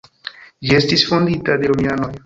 Ĝi estis fondita de romianoj.